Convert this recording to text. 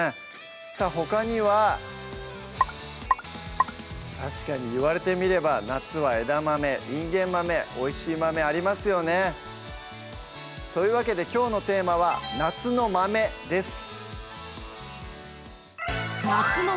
さぁほかには確かに言われてみれば夏は枝豆・いんげん豆美味しい豆ありますよねというわけできょうのテーマは「夏の豆」です